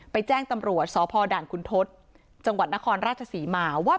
แจ้งตำรวจสพด่านคุณทศจังหวัดนครราชศรีมาว่า